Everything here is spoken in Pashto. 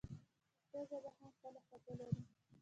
پښتو ژبه هم خپله خوږه لري.